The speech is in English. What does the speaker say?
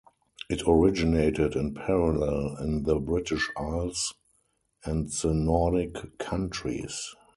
It originated in parallel in the British Isles and the Nordic countries.